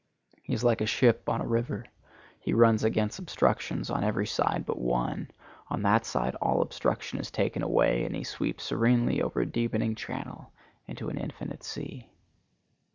He is like a ship in a river; he runs against obstructions on every side but one, on that side all obstruction is taken away and he sweeps serenely over a deepening channel into an infinite sea.